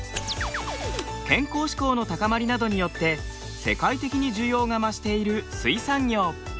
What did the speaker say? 健康志向の高まりなどによって世界的に需要が増している水産業。